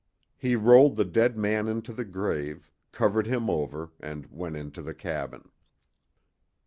He rolled the dead man into the grave, covered him over, and went into the cabin.